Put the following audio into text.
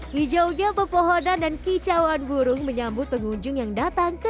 hijau gel pepohonan dan kicauan burung menyambut pengunjung yang datang ke